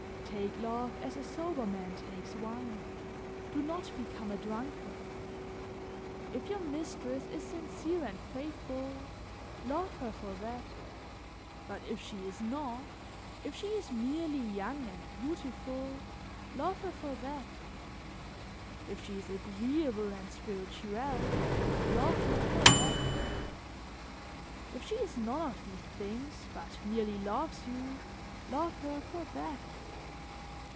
"Take love as a sober man takes wine; do not become a drunkard. If your mistress is sincere and faithful, love her for that; but if she is not, if she is merely young and beautiful, love her for that; if she is agreeable and spirituelle, love her for that; if she is none of these things but merely loves you, love her for that.